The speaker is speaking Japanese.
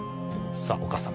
さあお母さん。